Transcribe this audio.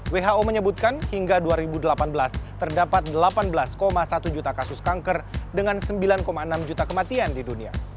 who menyebutkan hingga dua ribu delapan belas terdapat delapan belas satu juta kasus kanker dengan sembilan enam juta kematian di dunia